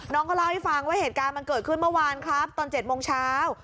น้องก็เล่าให้ฟังว่าเหตุการณ์มันเกิดขึ้นเมื่อวานครับตอน๗โมงเช้า